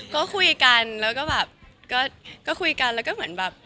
ก็คุยกันแล้วก็แบบก็คุยกันแล้วก็เหมือนแบบ